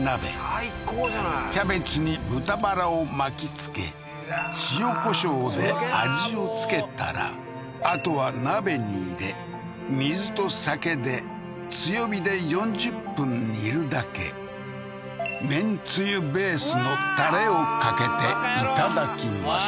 最高じゃないキャベツに豚バラを巻きつけ塩胡椒で味をつけたらあとは鍋に入れ水と酒で強火で４０分煮るだけめんつゆベースのタレをかけていただきます